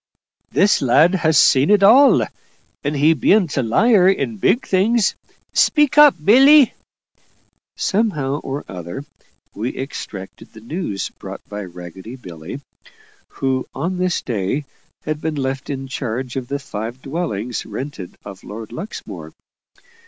"This lad ha' seen it all. And he bean't a liar in big things speak up, Billy." Somehow or other, we extracted the news brought by ragged Billy, who on this day had been left in charge of the five dwellings rented of Lord Luxmore.